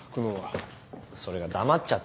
それが黙っちゃって。